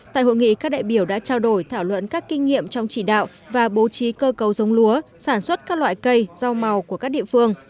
tại hội nghị các đại biểu đã trao đổi thảo luận các kinh nghiệm trong chỉ đạo và bố trí cơ cấu giống lúa sản xuất các loại cây rau màu của các địa phương